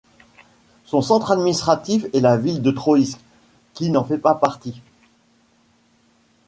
Son centre administratif est la ville de Troïtsk, qui n'en fait pas partie.